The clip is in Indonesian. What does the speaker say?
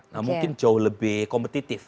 nah mungkin jauh lebih kompetitif